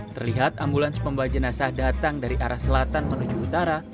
terlihat ambulans pembawa jenazah datang dari arah selatan menuju utara